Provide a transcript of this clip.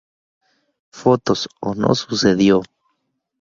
Fotos o no sucedió".